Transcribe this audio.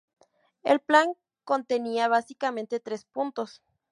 El plan contenía básicamente tres puntos.